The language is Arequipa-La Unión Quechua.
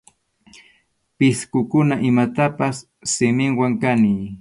Pisqukuna imatapas siminwan kaniy.